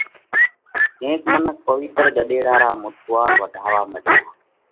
ڪينڪ منک پوَيتر ڳۮيڙا را مٿُوئاۯ واڍوا مڏيا،